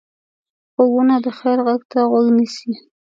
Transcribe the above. غوږونه د خیر غږ ته غوږ نیسي